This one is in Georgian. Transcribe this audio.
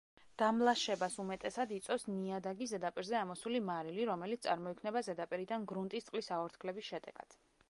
დამლაშებას უმეტესად იწვევს ნიადაგის ზედაპირზე ამოსული მარილი, რომელიც წარმოიქმნება ზედაპირიდან გრუნტის წყლის აორთქლების შედეგად.